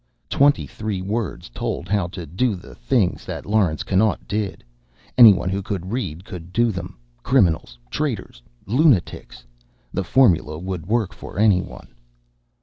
Twenty three words told how to do the things that Laurence Connaught did. Anyone who could read could do them. Criminals, traitors, lunatics the formula would work for anyone.